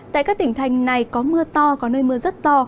tại các tỉnh thành này có mưa to có nơi mưa rất to